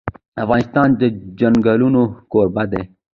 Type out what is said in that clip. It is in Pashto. افغانستان د چنګلونه کوربه دی.